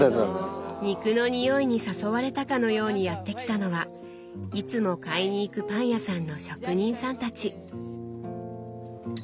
肉の匂いに誘われたかのようにやって来たのはいつも買いに行くパン屋さんの職人さんたち。